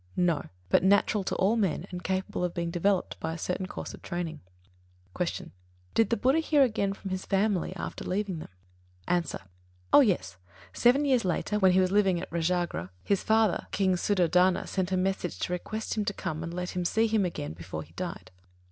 No, but natural to all men and capable of being developed by a certain course of training. 85. Q. Did the Buddha hear again from his family after leaving them? A. Oh yes, seven years later, while he was living at Rājagrha, his father. King Suddhodana, sent a message to request him to come and let him see him again before he died.